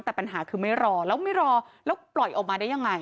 แต่ปัญหาคือไม่รอแล้วไม่รอแล้วปล่อยออกมาได้ยังไง